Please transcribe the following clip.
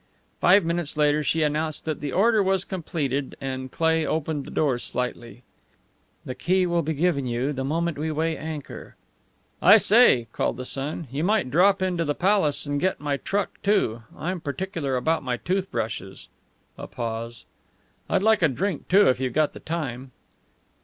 Five minutes later she announced that the order was completed, and Cleigh opened the door slightly. "The key will be given you the moment we weigh anchor." "I say," called the son, "you might drop into the Palace and get my truck, too. I'm particular about my toothbrushes." A pause. "I'd like a drink, too if you've got the time."